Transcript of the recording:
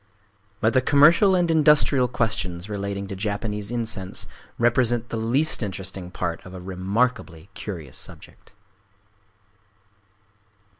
But the commercial and industrial questions relating to Japanese incense represent the least interesting part of a remarkably curious subject.